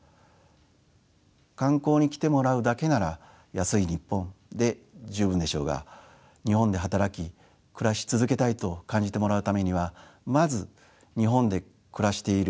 観光に来てもらうだけなら「安いニッポン！」で十分でしょうが日本で働き暮らし続けたいと感じてもらうためにはまず日本で暮らしている